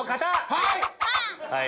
はい！